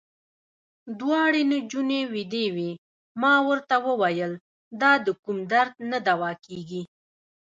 دواړې نجونې وېدې وې، ما ورته وویل: دا د کوم درد نه دوا کېږي.